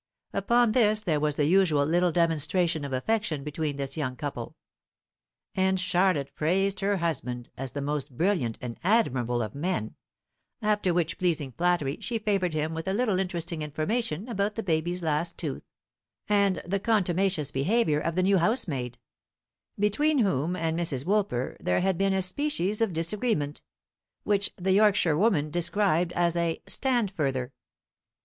Upon this there was the usual little demonstration of affection between this young couple; and Charlotte praised her husband as the most brilliant and admirable of men; after which pleasing flattery she favoured him with a little interesting information about the baby's last tooth, and the contumacious behaviour of the new housemaid, between whom and Mrs. Woolper there had been a species of disagreement, which the Yorkshirewoman described as a "standfurther."